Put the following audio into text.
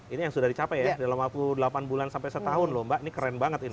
ini yang sudah dicapai ya dalam waktu delapan bulan sampai setahun loh mbak ini keren banget ini